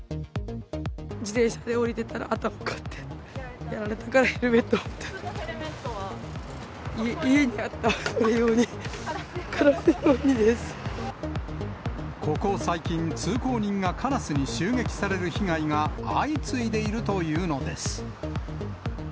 自転車で降りていたら、頭、がってやられたから、ヘルメット持って、家にあった、カラスここ最近、通行人がカラスに襲撃される被害が相次いでいるというのです。